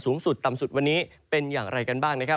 สูงสุดต่ำสุดวันนี้เป็นอย่างไรกันบ้างนะครับ